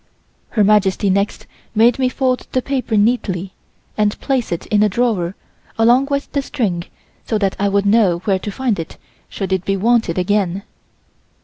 Her Majesty next made me fold the paper neatly and place it in a drawer along with the string so that I would know where to find it should it be wanted again.